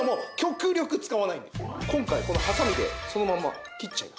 今回このハサミでそのまま切っちゃいます。